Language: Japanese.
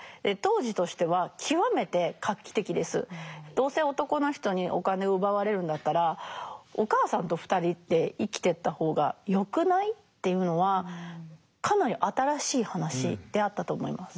どうせ男の人にお金を奪われるんだったらお母さんと２人で生きてった方がよくない？っていうのはかなり新しい話であったと思います。